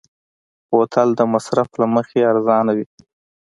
بوتل د مصرف له مخې ارزانه وي.